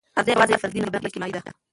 تغذیه یوازې فردي نه، بلکې اجتماعي ده.